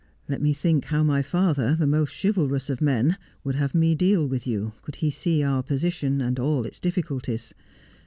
' Let me think how my father, the most chivalrous of men, would have me deal with you, could he see our position and all its difficulties.